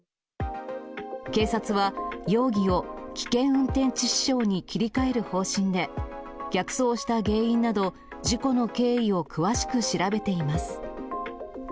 警察は、容疑を危険運転致死傷に切り替える方針で、逆走した原因など、事故の経緯を詳しく調べています。